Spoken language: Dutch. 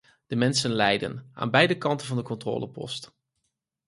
De mensen lijden, aan beide kanten van de controlepost.